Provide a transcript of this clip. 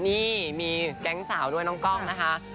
นี่มีแก๊งสาวด้วยน้องกล้องนะคะ